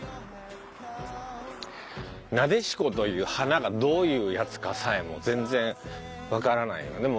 撫子という花がどういうやつかさえも全然わからないよ。